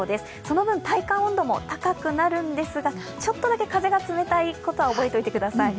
その分、体感温度も高くなるんですがちょっとだけ風が冷たいことは覚えておいてください。